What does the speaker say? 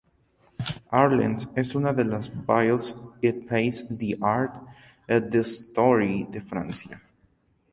Arles es una de las Villes et pays d'art et d'histoire de Francia.